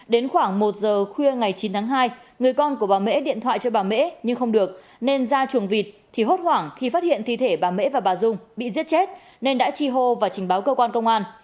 đến khoảng một giờ khuya ngày chín tháng hai người con của bà mễ điện thoại cho bà mễ nhưng không được nên ra chuồng vịt thì hốt hoảng khi phát hiện thi thể bà mễ và bà dung bị giết chết nên đã chi hô và trình báo cơ quan công an